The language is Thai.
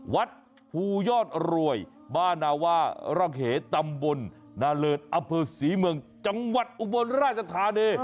วัดภูยอดรวยบ้านนาว่าร่องเหตำบลนาเลิศอำเภอศรีเมืองจังหวัดอุบลราชธานี